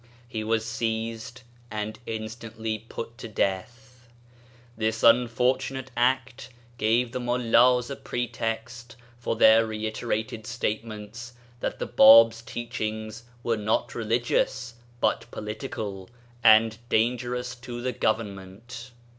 He was seized, and instantly put to death. This unfortunate act gave the Mullahs a pretext for their reiterated statements that the Bab's teach ings were not religious, but political, and danger ous to the Government.